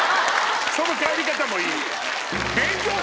その帰り方もいい！